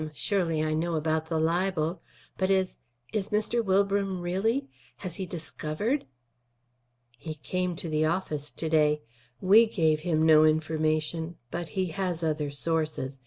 Surely I know about the libel. But is is Mr. Wilbram really Has he discovered?" "He came to the office to day. We gave him no information; but he has other sources.